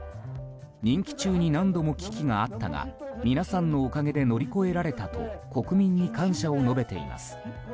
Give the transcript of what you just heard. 任期中に何度も危機があったが皆さんのおかげで乗り越えられたと国民に感謝を述べています。